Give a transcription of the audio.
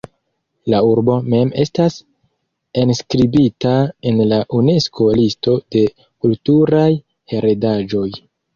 La urbo mem estas enskribita en la Unesko-listo de kulturaj heredaĵoj.